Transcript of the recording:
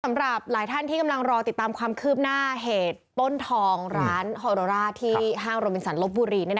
สำหรับหลายท่านที่กำลังรอติดตามความคืบหน้าเหตุต้นทองร้านฮอโรร่าที่ห้างโรบินสันลบบุรี